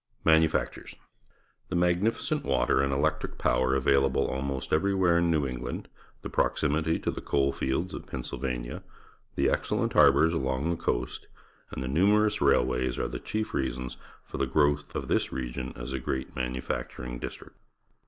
Manufactures.^^The magnificent water and electric power available almost every where in New Englandf the proximity to the coal fields of Pennsylvania, ■ the excellent harbours along the coast^. and the numerous railways are the chief reasons for the growth of tills region as a great manufacturing district.